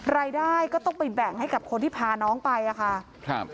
รายได้ก็ต้องไปแบ่งให้กับคนที่พาน้องไปอะค่ะครับ